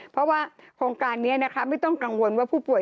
เพราะว่าโครงการนี้นะคะไม่ต้องกังวลว่าผู้ป่วย